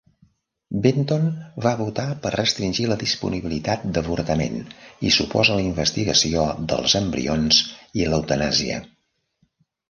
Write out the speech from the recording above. Benton va votar per restringir la disponibilitat d'avortament i s'oposa a la investigació dels embrions i l'eutanàsia.